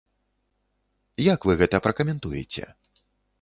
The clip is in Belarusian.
Як вы гэта пракаментуеце?